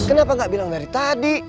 kenapa gak bilang dari tadi